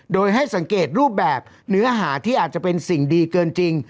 โดยให้สังเกตรูปแบบเนื้อหาที่อาจจะเป็นสิ่งดีเกินจริง